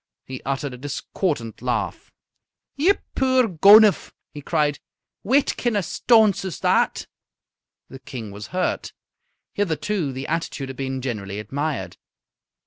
He uttered a discordant laugh. "Ye puir gonuph!" he cried, "whitkin' o' a staunce is that?" The King was hurt. Hitherto the attitude had been generally admired.